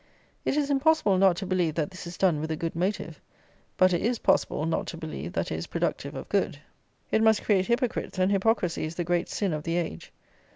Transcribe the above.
It is impossible not to believe that this is done with a good motive; but it is possible not to believe that it is productive of good. It must create hypocrites, and hypocrisy is the great sin of the age.